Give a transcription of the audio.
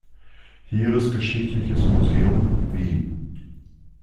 Heeresgeschichtliches Museum, Wien.